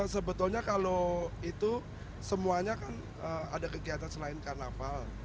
sebetulnya kalau itu semuanya kan ada kegiatan selain karnaval